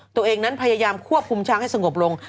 ตัวเองนั้นพยายามควบคุมช้างให้สงบลง